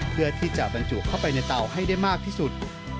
เพื่อที่จะบรรจุเข้าไปในเตาให้ได้มากที่สุด